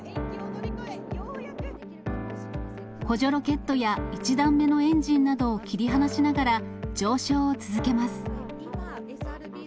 補助ロケットや１段目のエンジンなどを切り離しながら、上昇を続けます。